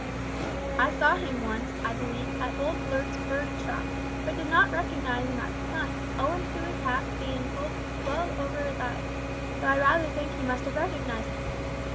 I saw him once, I believe, at old Blurt's bird shop, but did not recognise 'im at the time, owin' to his hat bein' pulled well over his eyes, though I rather think he must have recognised me.